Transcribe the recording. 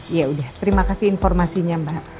ya udah terima kasih informasinya mbak